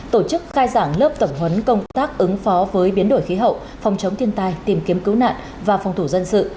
tổ chức khai giảng lớp tập huấn công tác ứng phó với biến đổi khí hậu phòng chống thiên tai tìm kiếm cứu nạn và phòng thủ dân sự